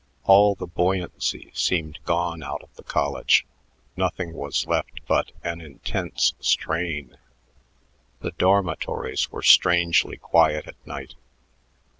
All the buoyancy seemed gone out of the college; nothing was left but an intense strain. The dormitories were strangely quiet at night.